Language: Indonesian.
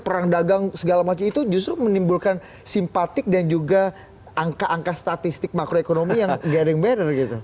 perang dagang segala macam itu justru menimbulkan simpatik dan juga angka angka statistik makroekonomi yang gathering better gitu